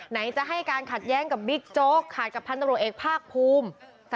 ไหนจะให้การขัดแย้งกับบิ๊กโจ๊กขาดกับพันธบรวจเอกภาคภูมิ